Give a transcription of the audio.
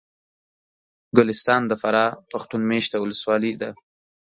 ګلستان د فراه پښتون مېشته ولسوالي ده